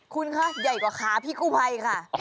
คุณคะใหญ่กว่าขาพี่กู้ภัยค่ะ